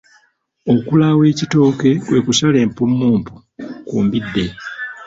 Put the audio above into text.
Okulaawa ekitooke kwe kusala empumumpu ku mbidde.